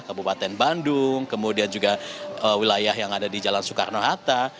kabupaten bandung kemudian juga wilayah yang ada di jalan soekarno hatta